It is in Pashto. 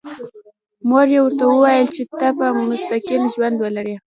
مور یې ورته وویل چې ته به مستقل ژوند ولرې